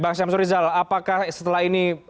pak samsul rijal apakah setelah ini